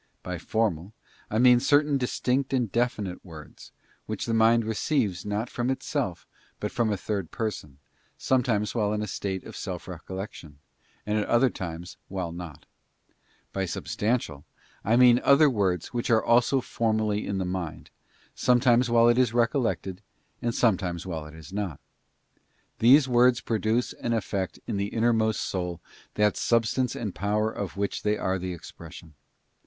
By Formal, I mean certain distinct and definite words, which the mind receives not from itself but from a third person, sometimes re Pee fe Perm ~————— INTERIOR WORDS HEARD BY THE SOUL. 189 while in a state of self recollection, and at other times while not. By Substantial, I mean other words which are also formally in the mind, sometimes while it is recollected, and sometimes while it is not. These words produce and effect in the innermost soul that substance and power of which they are the expression.